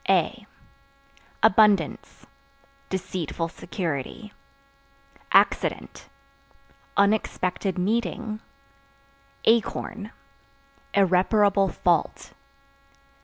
A Abundance Deceitful security. Accident Unexpected meeting. Acorn Irreparable fault.